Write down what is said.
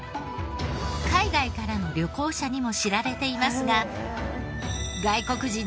海外からの旅行者にも知られていますが。